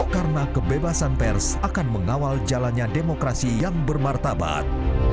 karena kebebasan pers akan mengawal jalannya demokrasi yang bermartabat